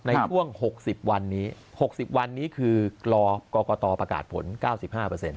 ในช่วงหกสิบวันนี้หกสิบวันนี้คือกลอกกตอประกาศผลเก้าสิบห้าเปอร์เซ็นต์